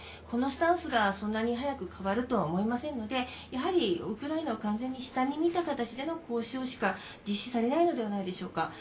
このスタンスがそんなに早く変わるとは思いませんのでやはりウクライナを完全に下に見た形での交渉しか実施されないのではないでしょうか。